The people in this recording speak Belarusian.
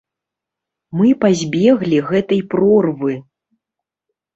Мы пазбеглі гэтай прорвы.